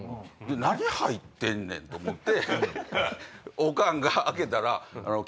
「何入ってんねん」と思ってオカンが開けたら。